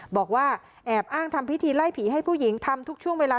บอกว่าแอบอ้างทำพิธีไล่ผีให้ผู้หญิงทำทุกช่วงเวลา